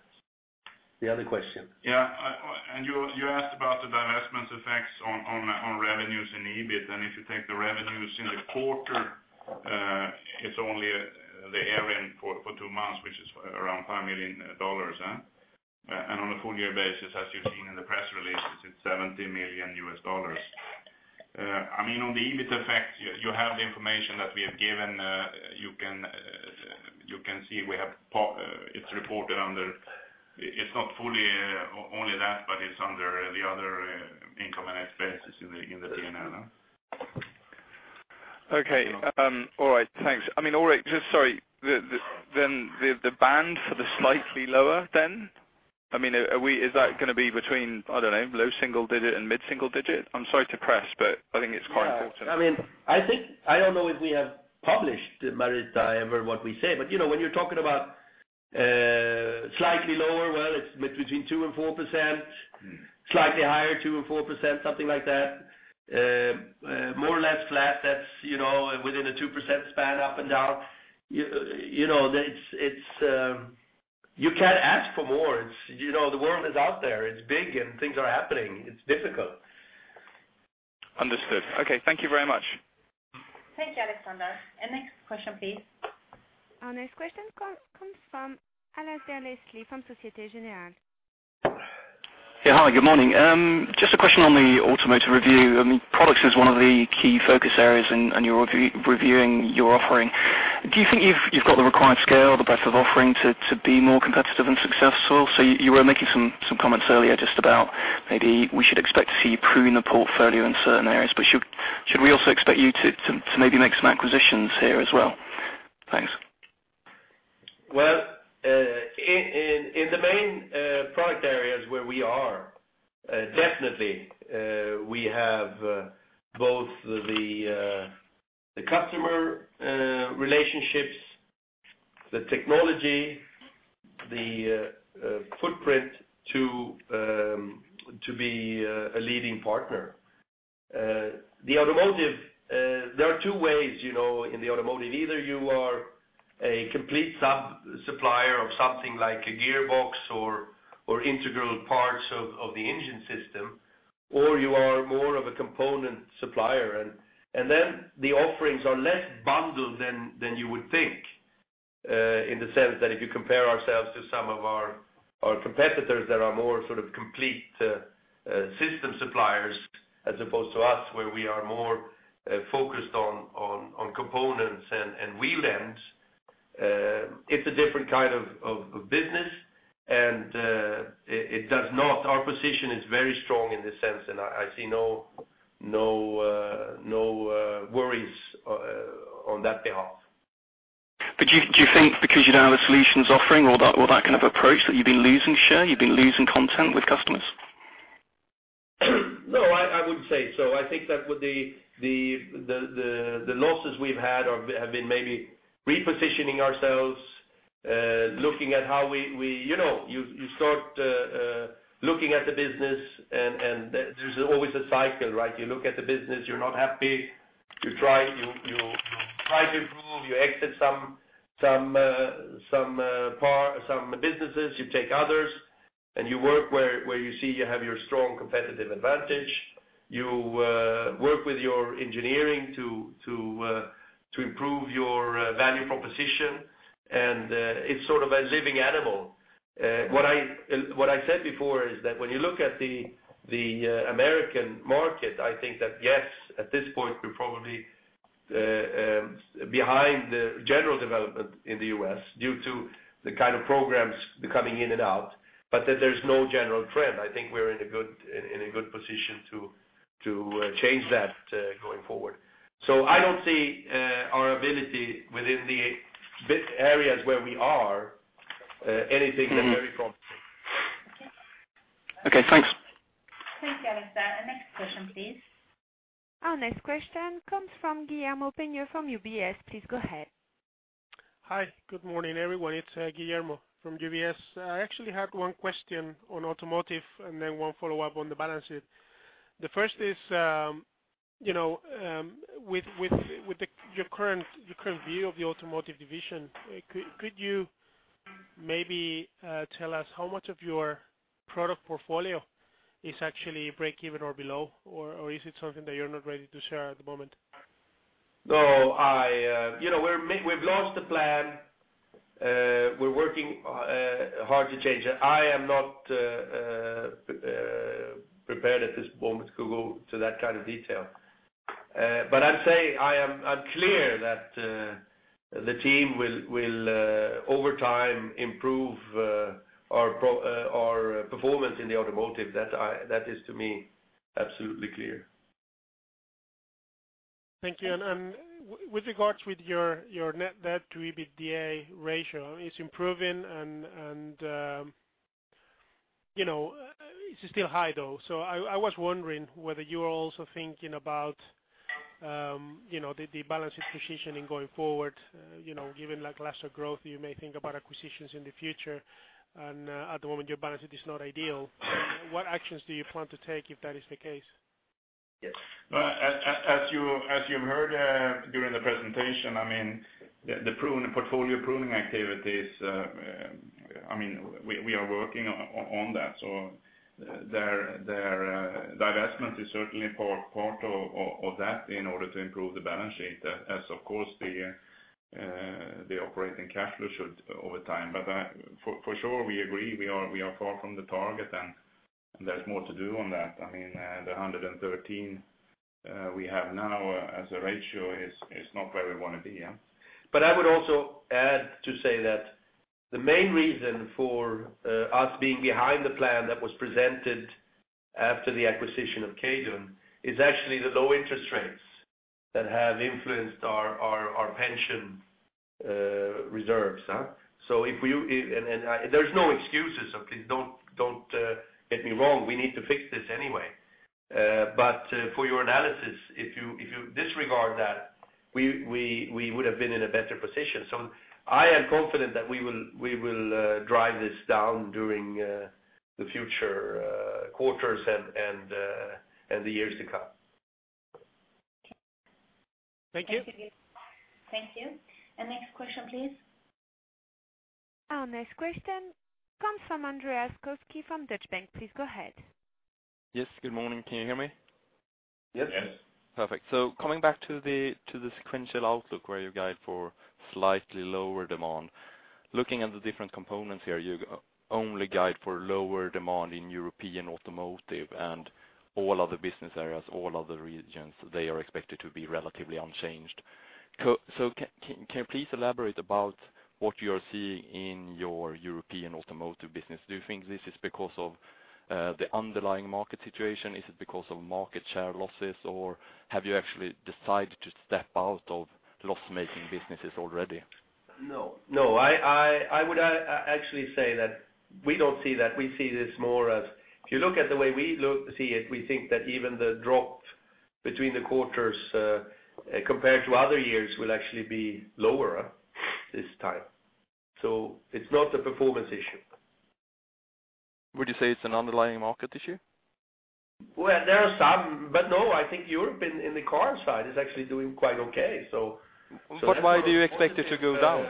the other question. Yeah, and you asked about the divestment effects on revenues and EBIT, and if you take the revenues in the quarter, it's only the average for two months, which is around $5 million, huh? And on a full year basis, as you've seen in the press release, it's $70 million. I mean, on the EBIT effect, you have the information that we have given, you can see it's reported under... It's not fully only that, but it's under the other income and expenses in the P&L. Okay. Alright, thanks. I mean, alright, just sorry. Then the band for the slightly lower then? I mean, is that gonna be between, I don't know, low single-digit and mid-single digit? I'm sorry to press, but I think it's quite important. Yeah. I mean, I don't know if we have published ever what we say, but, you know, when you're talking about slightly lower, well, it's between 2% and 4%. Mm-hmm. Slightly higher, 2%-4%, something like that. More or less flat, that's, you know, within a 2% span, up and down. You know, it's, it's, you can't ask for more. It's, you know, the world is out there, it's big and things are happening. It's difficult. Understood. Okay, thank you very much. Thank you, Alexander. Next question, please. Our next question comes from Alexandre Fleury from Société Générale. Yeah, hi, good morning. Just a question on the automotive review. I mean, products is one of the key focus areas and you're reviewing your offering. Do you think you've got the required scale, the breadth of offering to be more competitive and successful? So you were making some comments earlier just about maybe we should expect to see you prune the portfolio in certain areas, but should we also expect you to maybe make some acquisitions here as well? Thanks. Well, in the main product areas where we are definitely we have both the customer relationships, the technology, the footprint to be a leading partner. The automotive, there are two ways, you know, in the automotive, either you are a complete sub-supplier of something like a gearbox or integral parts of the engine system, or you are more of a component supplier. And then the offerings are less bundled than you would think in the sense that if you compare ourselves to some of our competitors that are more sort of complete system suppliers, as opposed to us, where we are more focused on components and wheel ends, it's a different kind of business. Our position is very strong in this sense, and I see no worries on that behalf. But do you, do you think because you don't have a solutions offering or that, or that kind of approach, that you've been losing share, you've been losing content with customers? No, I wouldn't say so. I think that with the losses we've had or have been maybe repositioning ourselves, looking at how we, you know, you start looking at the business, and there's always a cycle, right? You look at the business, you're not happy. You try to improve. You exit some businesses, you take others, and you work where you see you have your strong competitive advantage. You work with your engineering to improve your value proposition, and it's sort of a living animal. What I said before is that when you look at the American market, I think that yes, at this point, we're probably behind the general development in the US due to the kind of programs coming in and out, but that there's no general trend. I think we're in a good position to change that going forward. So I don't see our ability within the business areas where we are anything that's very promising. Okay, thanks. Thanks, Alexandre. Our next question, please. Our next question comes from Guillermo Peigneux from UBS. Please go ahead. Hi, good morning, everyone. It's Guillermo from UBS. I actually had one question on automotive and then one follow-up on the balance sheet. The first is, you know, with your current view of the automotive division, could you maybe tell us how much of your product portfolio is actually breakeven or below, or is it something that you're not ready to share at the moment? No, I, you know, we've launched the plan. We're working hard to change it. I am not prepared at this moment to go to that kind of detail. But I'd say I am, I'm clear that the team will over time improve our performance in the automotive. That I, that is, to me, absolutely clear. Thank you. With regards to your net debt to EBITDA ratio, it's improving, and you know, it's still high, though. So I was wondering whether you are also thinking about, you know, the balance sheet positioning going forward. You know, given, like, lesser growth, you may think about acquisitions in the future, and at the moment, your balance sheet is not ideal. What actions do you plan to take if that is the case? Yes. Well, as you heard during the presentation, I mean, the pruning, portfolio pruning activities, I mean, we are working on that. So there, divestment is certainly part of that in order to improve the balance sheet, as of course, the operating cash flow should over time. But... For sure, we agree, we are far from the target, and there's more to do on that. I mean, the 113 we have now as a ratio is not where we want to be, yeah. But I would also add to say that the main reason for us being behind the plan that was presented after the acquisition of Kaydon is actually the low interest rates that have influenced our pension reserves, huh? So, if you and there's no excuses. So please, don't get me wrong, we need to fix this anyway. But, for your analysis, if you disregard that, we would have been in a better position. So I am confident that we will drive this down during the future quarters and the years to come. Thank you. Thank you. Next question, please. Our next question comes from Andreas Koski, from Deutsche Bank. Please go ahead. Yes, good morning. Can you hear me? Yes. Perfect. So coming back to the sequential outlook, where you guide for slightly lower demand. Looking at the different components here, you only guide for lower demand in European automotive and all other business areas, all other regions, they are expected to be relatively unchanged. So can you please elaborate about what you are seeing in your European automotive business? Do you think this is because of the underlying market situation? Is it because of market share losses, or have you actually decided to step out of loss-making businesses already? No, no, I would actually say that we don't see that. We see this more as. If you look at the way we look, see it, we think that even the drop between the quarters, compared to other years, will actually be lower this time. So it's not a performance issue. Would you say it's an underlying market issue? Well, there are some, but no, I think Europe, in the car side, is actually doing quite okay, so- Why do you expect it to go down?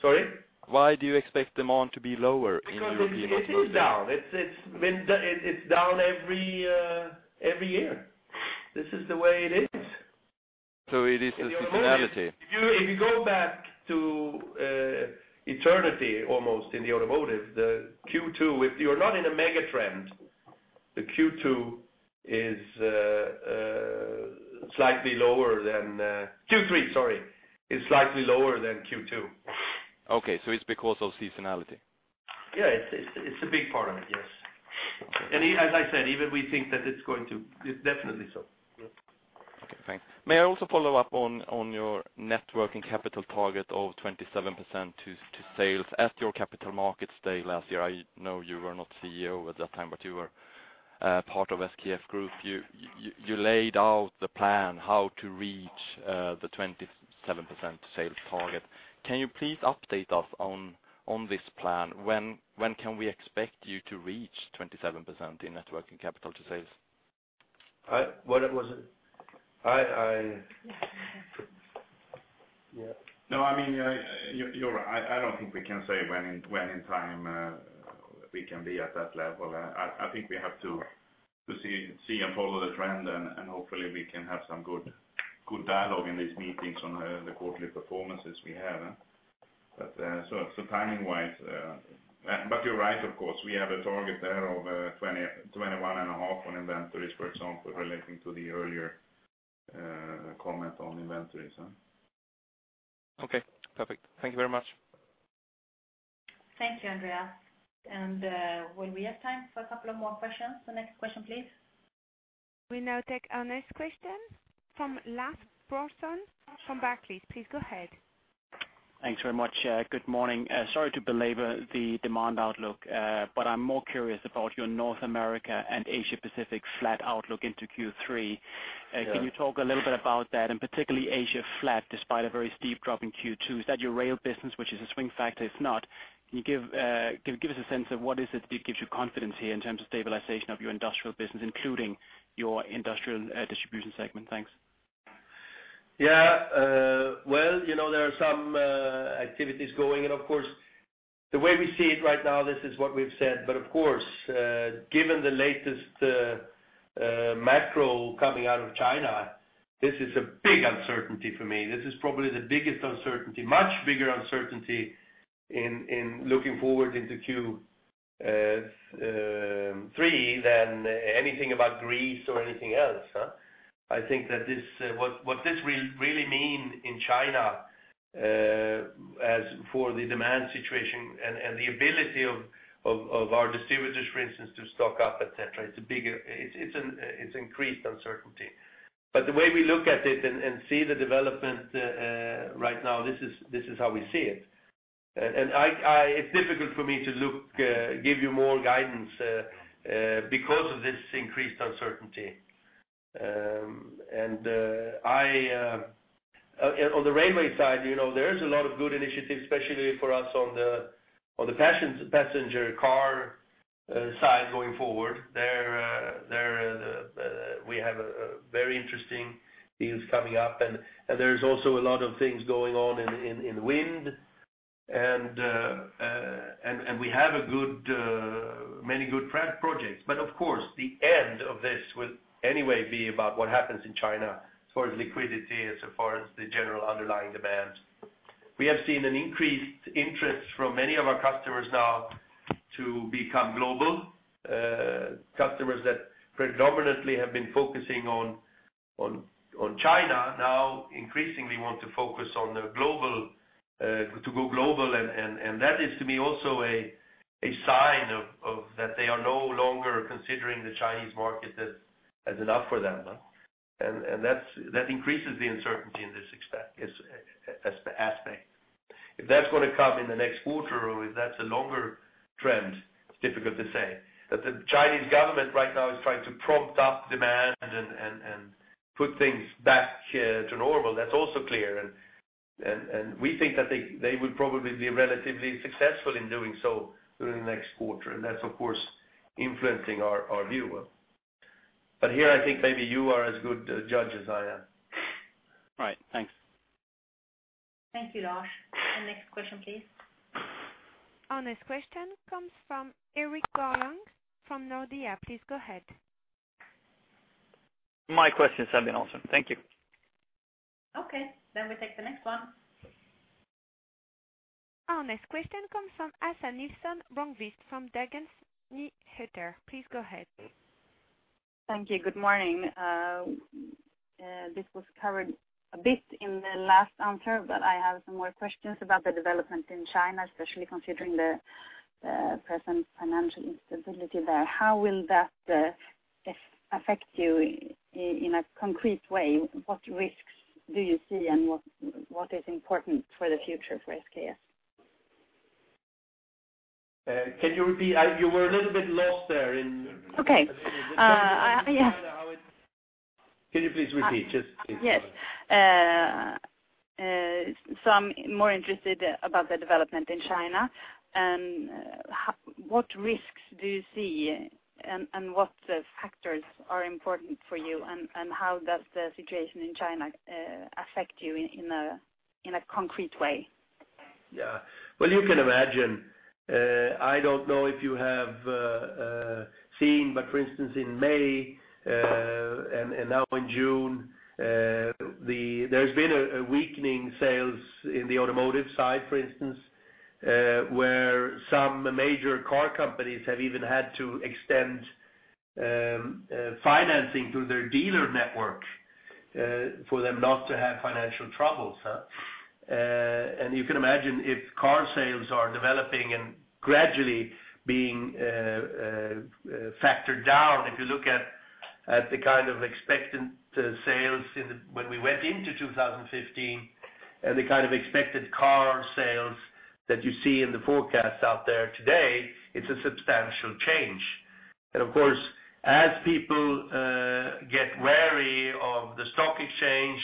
Sorry? Why do you expect demand to be lower in European automotive? Because it is down. It's been, it's down every year. This is the way it is. So it is a seasonality. If you go back to eternity almost, in the automotive, the Q2, if you're not in a mega trend, the Q2 is slightly lower than Q3, sorry, is slightly lower than Q2. Okay, so it's because of seasonality? Yeah, it's, it's a big part of it, yes. And as I said, even we think that it's going to, it's definitely so. Okay, thanks. May I also follow up on your net working capital target of 27% to sales? At your capital markets day last year, I know you were not CEO at that time, but you were part of SKF Group. You laid out the plan how to reach the 27% sales target. Can you please update us on this plan? When can we expect you to reach 27% in net working capital to sales? What was it? Yeah. No, I mean, you're I don't think we can say when in time we can be at that level. I think we have to see and follow the trend, and hopefully we can have some good dialogue in these meetings on the quarterly performances we have, huh? But so timing-wise. But you're right, of course, we have a target there of 21.5 on inventories, for example, relating to the earlier comment on inventories, huh? Okay, perfect. Thank you very much. Thank you, Andreas. We have time for a couple of more questions. The next question, please. We now take our next question from Lars Brorson, from Barclays. Please, go ahead. Thanks very much. Good morning. Sorry to belabor the demand outlook, but I'm more curious about your North America and Asia Pacific flat outlook into Q3. Yeah. Can you talk a little bit about that, and particularly Asia flat, despite a very steep drop in Q2? Is that your rail business, which is a swing factor? If not, can you give us a sense of what is it that gives you confidence here in terms of stabilization of your industrial business, including your industrial distribution segment? Thanks. Yeah, well, you know, there are some activities going on, of course. The way we see it right now, this is what we've said. But of course, given the latest macro coming out of China, this is a big uncertainty for me. This is probably the biggest uncertainty, much bigger uncertainty in looking forward into Q3 than anything about Greece or anything else, huh? I think that this what this really mean in China, as for the demand situation and the ability of our distributors, for instance, to stock up, et cetera, it's a bigger—it's an increased uncertainty. But the way we look at it and see the development right now, this is how we see it. And I... It's difficult for me to look, give you more guidance, because of this increased uncertainty. And, on the railway side, you know, there is a lot of good initiatives, especially for us on the passenger car side, going forward. There, there, we have a very interesting deals coming up, and there's also a lot of things going on in wind. And, and we have a good, many good projects. But of course, the end of this will anyway be about what happens in China as far as liquidity, as far as the general underlying demand. We have seen an increased interest from many of our customers now to become global. Customers that predominantly have been focusing on China now increasingly want to focus on the global to go global, and that is, to me, also a sign of that they are no longer considering the Chinese market as enough for them, huh? And that's that increases the uncertainty in this aspect. If that's going to come in the next quarter or if that's a longer trend, it's difficult to say. But the Chinese government right now is trying to prop up demand and put things back to normal. That's also clear, and we think that they will probably be relatively successful in doing so during the next quarter, and that's, of course, influencing our view. But here, I think maybe you are as good a judge as I am. Right. Thanks. Thank you, Lars. Our next question, please. Our next question comes from Erik Golrang, from Nordea. Please go ahead. ...My questions have been answered. Thank you. Okay, then we take the next one. Our next question comes from Åsa Nilsson Brönqvist from Dagens Nyheter. Please go ahead. Thank you. Good morning. This was covered a bit in the last answer, but I have some more questions about the development in China, especially considering the present financial instability there. How will that affect you in a concrete way? What risks do you see, and what is important for the future for SKF? Can you repeat? You were a little bit lost there in- Okay. Yeah. Can you please repeat, just please? Yes. So I'm more interested about the development in China, and what risks do you see, and what factors are important for you, and how does the situation in China affect you in a concrete way? Yeah. Well, you can imagine, I don't know if you have seen, but for instance, in May, and now in June, there's been a weakening sales in the automotive side, for instance, where some major car companies have even had to extend financing through their dealer network, for them not to have financial troubles, huh? And you can imagine if car sales are developing and gradually being factored down, if you look at the kind of expected sales in the... When we went into 2015, and the kind of expected car sales that you see in the forecast out there today, it's a substantial change. Of course, as people get wary of the stock exchange,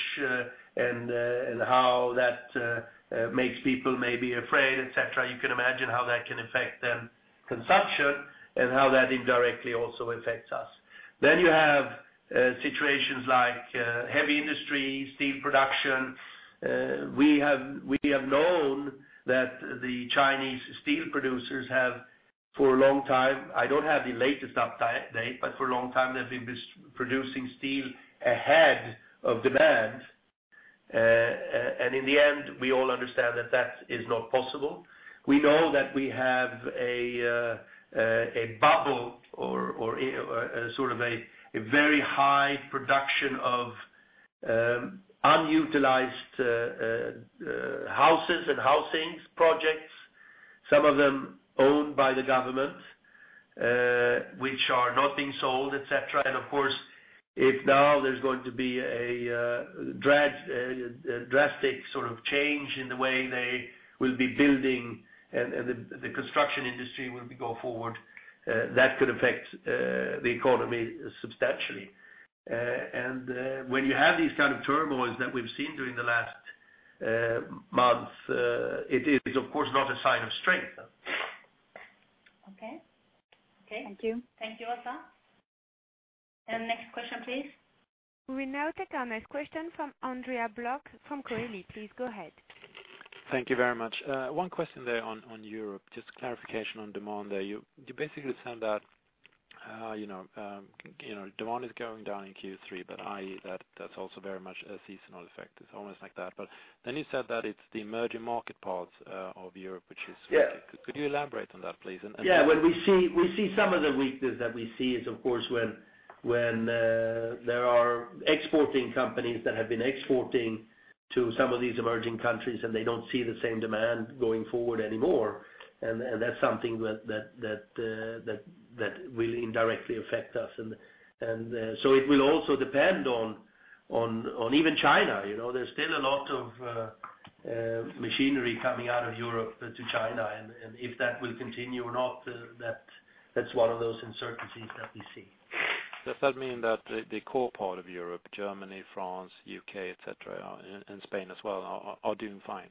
and how that makes people maybe afraid, et cetera, you can imagine how that can affect their consumption, and how that indirectly also affects us. Then you have situations like heavy industry, steel production. We have known that the Chinese steel producers have, for a long time, I don't have the latest update, but for a long time, they've been producing steel ahead of demand. And in the end, we all understand that that is not possible. We know that we have a bubble or a sort of a very high production of unutilized houses and housing projects, some of them owned by the government, which are not being sold, et cetera. And of course, if now there's going to be a drastic sort of change in the way they will be building and the construction industry will be going forward, that could affect the economy substantially. And when you have these kind of turmoils that we've seen during the last month, it is, of course, not a sign of strength. Okay. Okay. Thank you. Thank you, Åsa. And next question, please. We now take our next question from Andreas Brock, from Coeli. Please go ahead. Thank you very much. One question there on Europe, just clarification on demand there. You basically said that, you know, you know, demand is going down in Q3, but that's also very much a seasonal effect. It's almost like that. But then you said that it's the emerging market parts of Europe, which is- Yeah. Could you elaborate on that, please? And, Yeah, when we see some of the weakness that we see is, of course, when there are exporting companies that have been exporting to some of these emerging countries, and they don't see the same demand going forward anymore. So it will also depend on even China. You know, there's still a lot of machinery coming out of Europe to China, and if that will continue or not, that's one of those uncertainties that we see. Does that mean that the core part of Europe, Germany, France, U.K., et cetera, and Spain as well, are doing fine?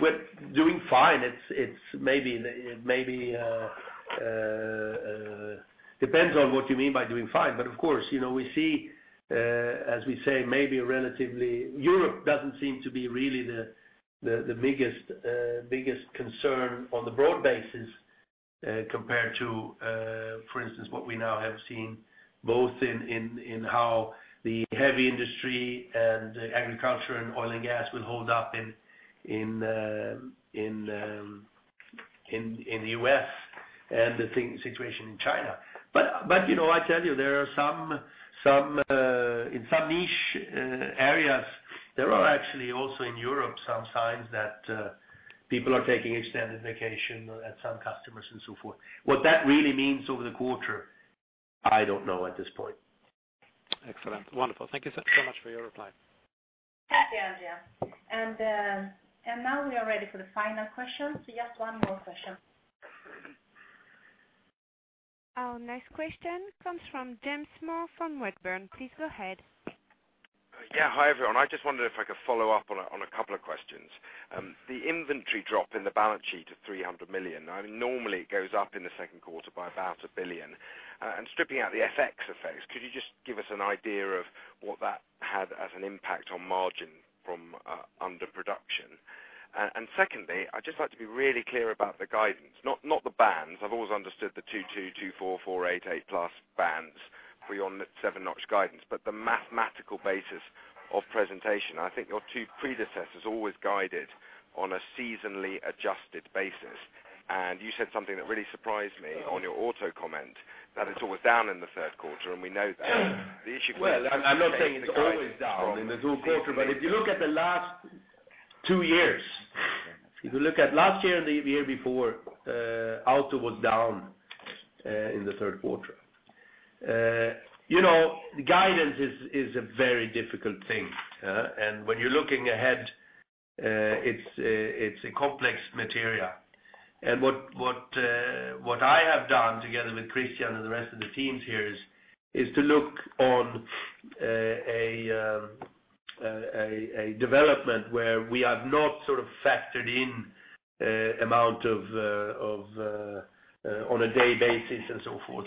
Well, doing fine, it's, it's maybe, maybe, depends on what you mean by doing fine. But of course, you know, we see, as we say, maybe relatively... Europe doesn't seem to be really the biggest concern on the broad basis, compared to, for instance, what we now have seen both in how the heavy industry and agriculture and oil and gas will hold up in the U.S. and the situation in China. But you know, I tell you, there are some in some niche areas, there are actually also in Europe, some signs that people are taking extended vacation at some customers and so forth. What that really means over the quarter, I don't know at this point. Excellent. Wonderful. Thank you so, so much for your reply. Thank you, Andreas. And, and now we are ready for the final question. So just one more question. Our next question comes from James Moore from Redburn. Please go ahead. Yeah. Hi, everyone. I just wondered if I could follow up on a couple of questions. The inventory drop in the balance sheet of 300 million, I mean, normally, it goes up in the second quarter by about 1 billion. And stripping out the FX effects, could you just give us an idea of what that had as an impact on margin from under production? And secondly, I'd just like to be really clear about the guidance, not the bands. I've always understood the two, two, two, four, four, eight, eight plus bands for your seven-notch guidance, but the mathematical basis of presentation. I think your two predecessors always guided on a seasonally adjusted basis, and you said something that really surprised me on your auto comment, that it's always down in the third quarter, and we know that. The issue- Well, I'm not saying it's always down in the third quarter, but if you look at the last two years, if you look at last year and the year before, auto was down in the third quarter. You know, guidance is a very difficult thing, and when you're looking ahead, it's a complex material. And what I have done together with Christian and the rest of the teams here is to look on a development where we have not sort of factored in amount of on a day basis and so forth.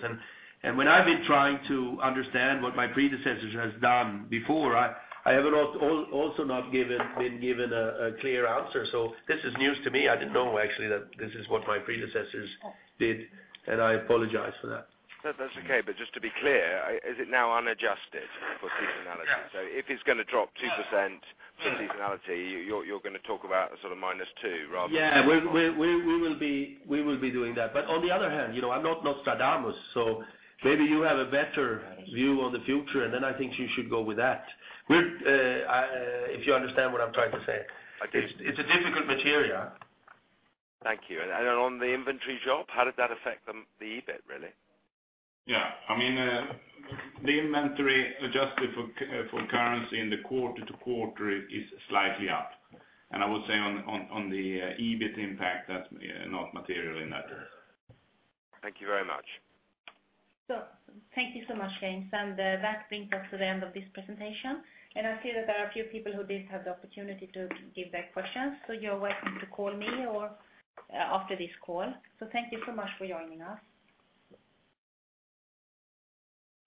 And when I've been trying to understand what my predecessors has done before, I have also not been given a clear answer. So this is news to me. I didn't know actually that this is what my predecessors did, and I apologize for that. That, that's okay. But just to be clear, is it now unadjusted for seasonality? Yeah. So if it's gonna drop 2% for seasonality, you're gonna talk about a sort of -2 rather than- Yeah, we will be doing that. But on the other hand, you know, I'm not Nostradamus, so maybe you have a better view on the future, and then I think you should go with that. We're if you understand what I'm trying to say. I do. It's a difficult material. Thank you. And on the inventory drop, how did that affect the EBIT, really? Yeah. I mean, the inventory adjusted for currency quarter-over-quarter is slightly up. I would say on the EBIT impact, that's not material in that way. Thank you very much. Thank you so much, James. That brings us to the end of this presentation. I see that there are a few people who did have the opportunity to give their questions, so you're welcome to call me or after this call. Thank you so much for joining us.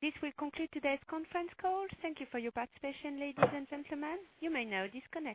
This will conclude today's conference call. Thank you for your participation, ladies and gentlemen. You may now disconnect.